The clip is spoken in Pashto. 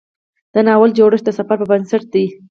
د ناول جوړښت د سفر پر بنسټ دی.